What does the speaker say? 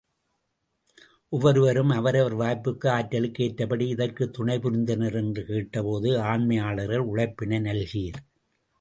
ஒவ்வொருவரும் அவரவர் வாய்ப்புக்கு, ஆற்றலுக்கு ஏற்றபடி இதற்குத் துணை புரிந்தனர் என்று கேட்டபோது, ஆண்மையாளர்கள் உழைப்பினை நல்கீர்!